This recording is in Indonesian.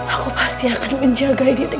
aku pasti akan menjaga dia dengan baik